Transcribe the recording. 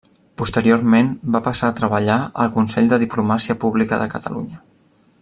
Posteriorment va passar a treballar al Consell de Diplomàcia Pública de Catalunya.